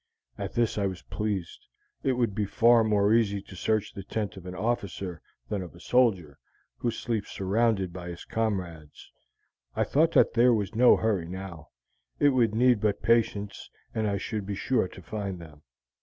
At this I was pleased; it would be far more easy to search the tent of an officer than of a soldier, who sleeps surrounded by his comrades. I thought that there was no hurry now; it would need but patience, and I should be sure to find them.